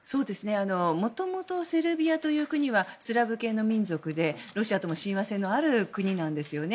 元々セルビアという国はスラブ系の民族でロシアとも親和性のある国なんですよね。